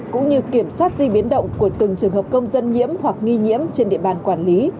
cũng như kiểm soát di biến động của từng trường hợp công dân nhiễm hoặc nghi nhiễm trên địa bàn quản lý